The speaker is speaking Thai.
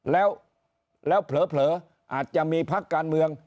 แล้วเผลออาจจะมีพักการเมือง